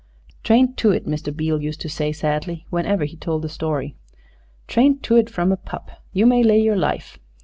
"Trained to it," Mr. Beale used to say sadly whenever he told the story; "trained to it from a pup, you may lay your life.